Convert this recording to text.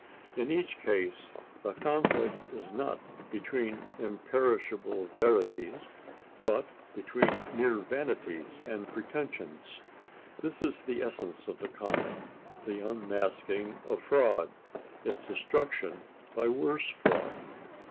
In each case the conflict is not between imperishable verities but between mere vanities and pretensions. This is the essence of the comic: the unmasking of fraud, its destruction by worse fraud.